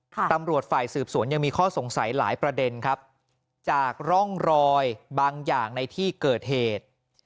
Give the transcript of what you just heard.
ตำรวจฝ่ายสืบสวนยังมีข้อสงสัยหลายประเด็นครับจากร่องรอยบางอย่างในที่เกิดเหตุ